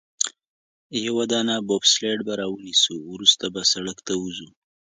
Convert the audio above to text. یوه دانه بوبسلیډ به رانیسو، وروسته به سړک ته ووځو.